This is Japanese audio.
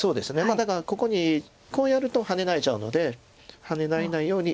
だからここにこうやるとハネられちゃうのでハネられないように。